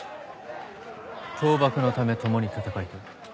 倒幕のため共に戦いたい。